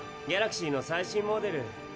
ギャラクシーの最新モデル。